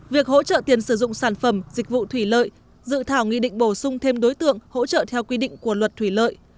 việc hỗ trợ tiền sử dụng sản phẩm dịch vụ thủy lợi dự thảo nghị định bổ sung thêm đối tượng hỗ trợ theo quy định của luật thủy lợi